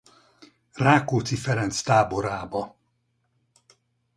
Rákóczi Ferenc táborába.